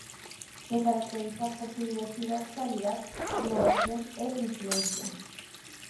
Se caracteriza por su diversidad, calidad, innovación e influencia.